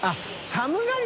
寒がり。